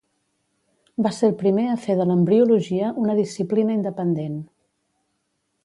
Va ser el primer a fer de l'embriologia una disciplina independent.